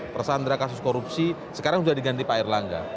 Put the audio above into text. persandra kasus korupsi sekarang sudah diganti pak erlangga